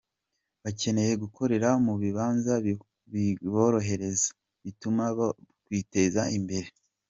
"Bakeneye gukorera mu bibanza biborohereza, bituma bokwiteza imbere.